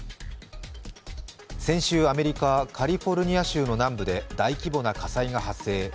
先週、アメリカ・カリフォルニア州の南部で大規模な火災が発生。